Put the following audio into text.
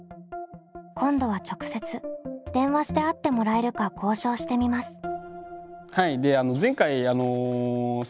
今度は直接電話して会ってもらえるか交渉してみます。